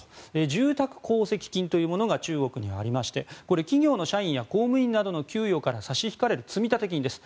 住宅公積金というものが中国にはありましてこれは企業の社員や公務員などの給与から差し引かれる積立金です。